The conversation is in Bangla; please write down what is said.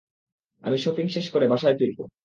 আমি শপিং শেষ করে বাসায় ফিরবো।